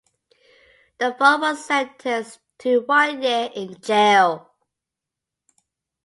The four were sentenced to one year in jail.